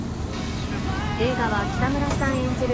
映画は北村さん演じる